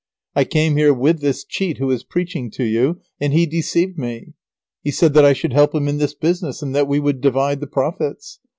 I came here with this cheat who is preaching to you, and he deceived me. He said that I should help him in this business, and that we would divide the profits.